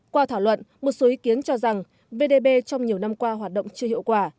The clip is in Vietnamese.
qua thảo luận một số ý kiến cho rằng vdb trong nhiều năm qua hoạt động chưa hiệu quả